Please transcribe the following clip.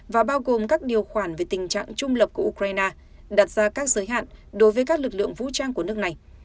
và bao gồm các điều khoản về tình trạng trung lập của ukraine đặt ra các giới hạn đối với các lực lượng vũ trang của nước này